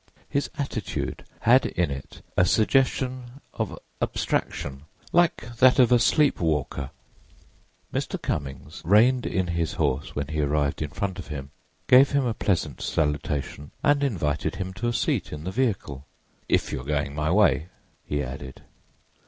His attitude had in it a suggestion of abstraction, like that of a sleepwalker. Mr. Cummings reined in his horse when he arrived in front of him, gave him a pleasant salutation and invited him to a seat in the vehicle—"if you are going my way," he added.